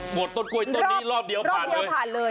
หมดต้นกล้วยตอนนี้รอบเดียวผ่านเลยรอบเดียวผ่านเลย